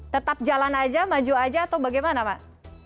tetap jalan saja maju saja atau bagaimana pak